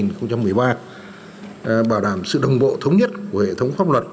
sẽ cụ thể hóa hiến pháp năm hai nghìn một mươi ba bảo đảm sự đồng bộ thống nhất của hệ thống pháp luật